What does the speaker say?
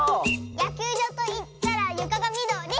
「やきゅうじょうといったらゆかがみどり！」